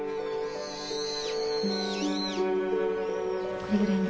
これぐらいね。